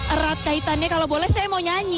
erat kaitannya kalau boleh saya mau nyanyi